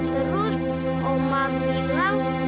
terus oma bilang